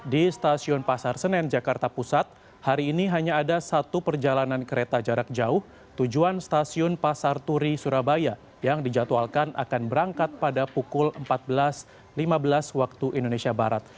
di stasiun pasar senen jakarta pusat hari ini hanya ada satu perjalanan kereta jarak jauh tujuan stasiun pasar turi surabaya yang dijadwalkan akan berangkat pada pukul empat belas lima belas waktu indonesia barat